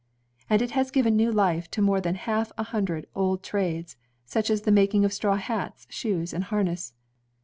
And it has given new life to more than half a hundred old trades, such as the making of straw hats, shoes, and harness.